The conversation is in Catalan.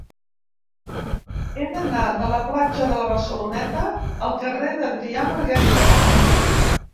He d'anar de la platja de la Barceloneta al carrer d'Adrià Margarit.